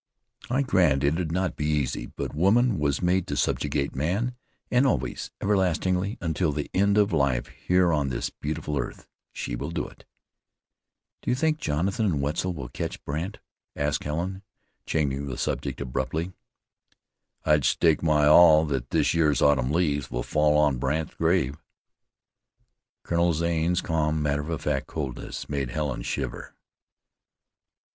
"I grant it'd not be easy, but woman was made to subjugate man, and always, everlastingly, until the end of life here on this beautiful earth, she will do it." "Do you think Jonathan and Wetzel will catch Brandt?" asked Helen, changing the subject abruptly. "I'd stake my all that this year's autumn leaves will fall on Brandt's grave." Colonel Zane's calm, matter of fact coldness made Helen shiver.